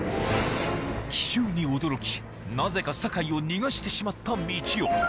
奇襲に驚きなぜか酒井を逃がしてしまったみちお